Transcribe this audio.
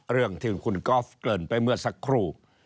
เรื่องที่คุณกอล์ฟเกริ่นไปเมื่อสักครู่